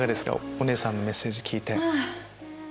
お姉さんのメッセージ聞いて。